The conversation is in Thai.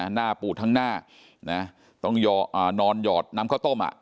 หน้าปูดทั้งหน้าต้องนอนหยอดน้ำข้าวต้ม